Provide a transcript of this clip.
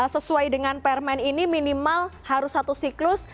sesuai dengan permen ini minimal harus satu siklus